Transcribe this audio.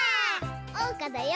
おうかだよ！